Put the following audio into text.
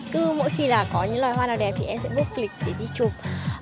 cứ mỗi khi là có những loài hoa nào đẹp thì em sẽ bút lịch để đi chụp